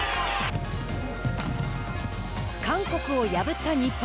韓国を破った日本。